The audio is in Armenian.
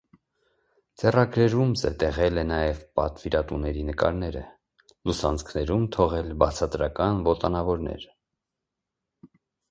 Ձեռագրերում զետեղել է նաև պատվիրատուների նկարները, լուսանցքներում թողել բացատրական ոտանավորներ։